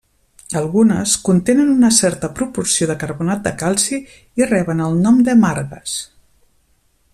Algunes contenen una certa proporció de carbonat de calci, i reben el nom de margues.